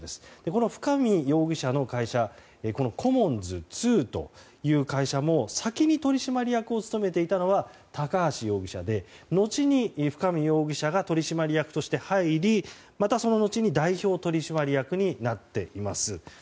この深見容疑者の会社コモンズ２という会社も先に取締役を務めていたのが高橋容疑者でのちに深見容疑者が取締役として入り、またその後に代表取締役になっています。